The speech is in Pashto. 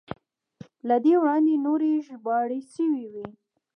له دې وړاندې نورې ژباړې شوې وې.